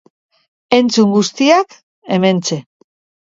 Entzun guztiak, hementxe.